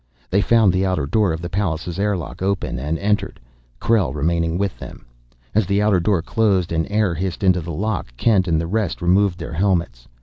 They found the outer door of the Pallas' airlock open, and entered, Krell remaining with them. As the outer door closed and air hissed into the lock, Kent and the rest removed their helmets.